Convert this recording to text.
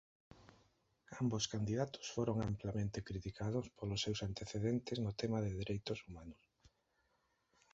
Ambos candidatos foron amplamente criticados polos seus antecedentes no tema de dereitos humanos.